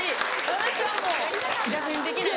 私はもう逆にできない。